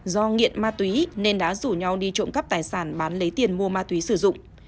do nghiện ma túy nên đã rủ nhau đi trộm cắp tài sản bán lấy tiền mua ma túy sử dụng